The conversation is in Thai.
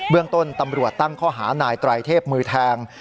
เรื่องต้นตำรวจตั้งข้อหานายไตรเทพมือแทง